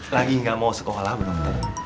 lagi gak mau sekolah bu dokter